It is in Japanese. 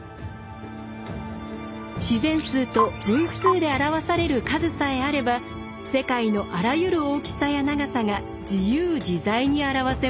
自然数と分数で表される数さえあれば世界のあらゆる大きさや長さが自由自在に表せました。